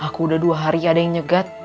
aku udah dua hari ada yang nyegat